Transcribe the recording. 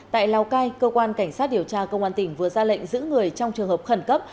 tại lào cai cơ quan cảnh sát điều tra công an tỉnh vừa ra lệnh giữ người trong trường hợp khẩn cấp